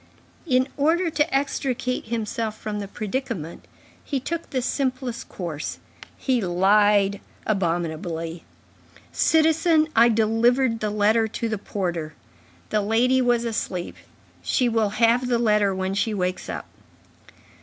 In order to extricate himself from the predicament, he took the simplest course; he lied abominably. "Citizen, I delivered the letter to the porter. The lady was asleep. She will have the letter when she wakes up."